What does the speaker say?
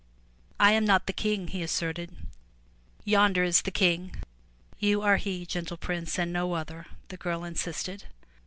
"I am not the King,'' he asserted. Yonder is the King/* "You are he, gentle Prince and no other,*' the girl insisted.